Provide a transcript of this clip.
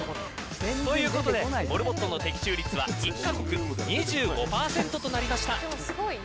ということでモルモットの的中率は１カ国２５％となりました。